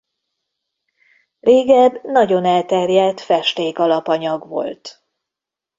Régebb nagyon elterjedt festék alapanyag volt.